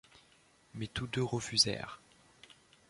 Mais tous deux refusèrent.